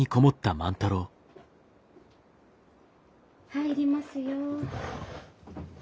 ・入りますよ。